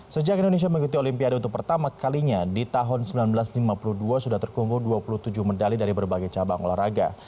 sejak indonesia mengikuti olimpiade untuk pertama kalinya di tahun seribu sembilan ratus lima puluh dua sudah terkumpul dua puluh tujuh medali dari berbagai cabang olahraga